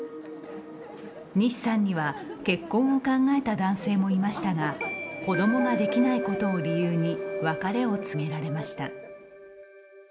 西さんには結婚を考えた男性もいましたが、子供ができないことを理由に別れを告げられました。